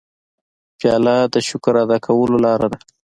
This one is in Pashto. پیاله د شکر ادا کولو لاره ده.